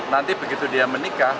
nanti begitu dia menikah